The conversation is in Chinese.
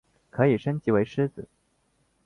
可以升级为狮子。